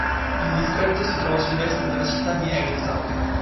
Il Distretto si trova a sudest della città di Hamilton.